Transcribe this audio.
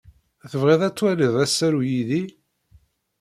Tebɣiḍ ad twaliḍ asaru yid-i?